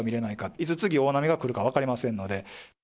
いつ次の大波が来るか分かりませんので。